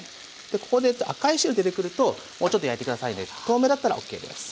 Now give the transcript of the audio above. でここで赤い汁出てくるともうちょっと焼いて下さいで透明だったらＯＫです。